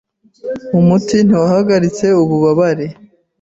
Umuti ntiwahagaritse ububabare.